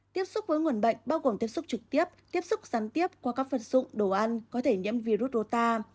tiếp xúc với nguồn bệnh bao gồm tiếp xúc trực tiếp tiếp xúc sán tiếp qua các phần dụng đồ ăn có thể nhiễm virus rô ta